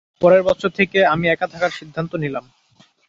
পরের বছর থেকে আমি একা থাকার সিদ্ধান্ত নিলাম।